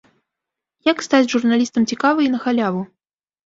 Як стаць журналістам цікава і на халяву?